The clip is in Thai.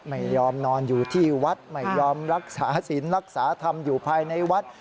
ไม่ยอมนอนอยู่ที่วัดไม่ยอมรักษาศิลป์รักษาธรรมอยู่ภายในวัด